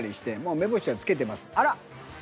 あら。